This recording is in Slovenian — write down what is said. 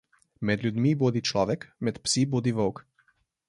Med ljudmi bodi človek, med psi bodi volk.